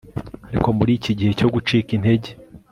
ariko muri iki gihe cyo gucika intege